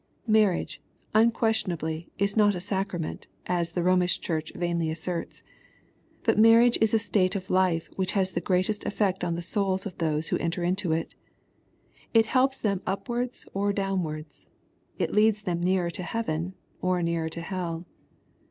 Marriage, unquestionably, is not a sacrament, as the Bomish Church vainly asserts. But marriage is a state of life which has the greatest effect on the souls of those who enter into it. It helps them upwards or downwards. It leads them nearer to heaven or nearer to hell.